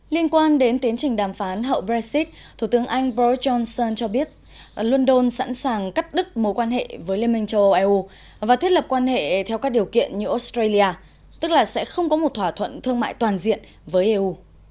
liên quan đến tiến trình đàm phán hậu brexit thủ tướng anh boris johnson cho biết london sẵn sàng cắt đứt mối quan hệ với liên minh châu âu eu và thiết lập quan hệ theo các điều kiện như australia tức là sẽ không có một thỏa thuận thương mại toàn diện với eu